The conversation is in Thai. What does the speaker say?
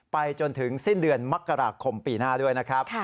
จนถึงสิ้นเดือนมกราคมปีหน้าด้วยนะครับ